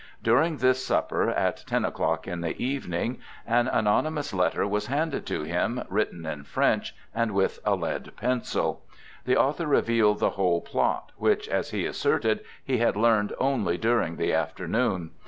During this supper, at ten o'clock in the evening, an anonymous letter was handed to him, written in French and with a lead pencil. The author revealed the whole plot, which, as he asserted, he had learned only during the afternoon.